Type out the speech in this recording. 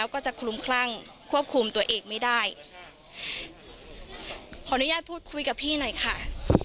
ขออนุญาตพูดคุยกับพี่หน่อยค่ะ